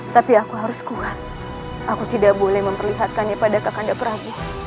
tapi aku harus kuat aku tidak boleh memperlihatkannya pada kakanda perahu